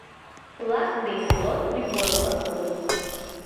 Лаг ден лот — прибор-влак улыт.